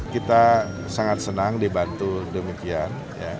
kita sangat senang dibantu demikian